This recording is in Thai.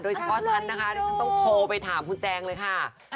โดยเฉพาะฉันนะคะต้องโทรไปถามคุณแจ๊งเลยค่ะ